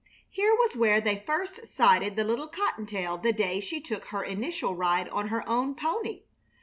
Here was where they first sighted the little cottontail the day she took her initial ride on her own pony.